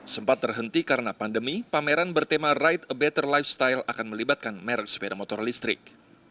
sempat terhenti karena pandemi pameran bertema ride a better lifestyle akan melibatkan merek sepeda motor listrik